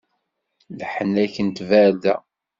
Leḥnak n tbarda.